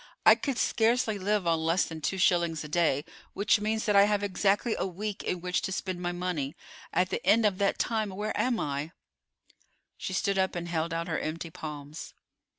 I could scarcely live on less than two shillings a day, which means that I have exactly a week in which to spend my money. At the end of that time where am I?" She stood up and held out her empty palms.